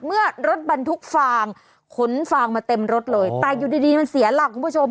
เมื่อรถบรรทุกฟางขนฟางมาเต็มรถเลยแต่อยู่ดีดีมันเสียหลักคุณผู้ชม